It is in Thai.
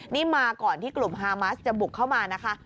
นี่มาก่อนที่กลุ่มฮามัสจะบุกเข้ามานะคะ